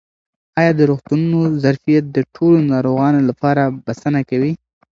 آیا د روغتونونو ظرفیت د ټولو ناروغانو لپاره بسنه کوي؟